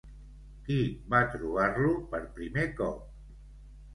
Qui va trobar-lo per primer cop?